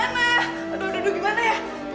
aduh aduh gimana ya